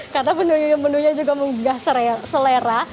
karena menunya juga menggigas selera